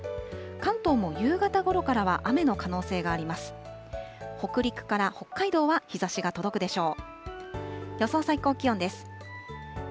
関東も夕方ごろからは雨の可能性があります。